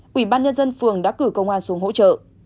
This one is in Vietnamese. quỹ ban nhân dân phường đã cử công an xuống hỗ trợ